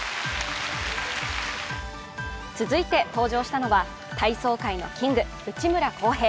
続いて登場したのは体操界のキング・内村航平。